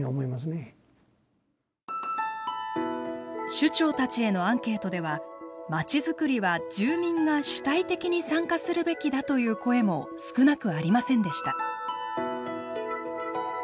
首長たちへのアンケートではまちづくりは住民が主体的に参加するべきだという声も少なくありませんでした。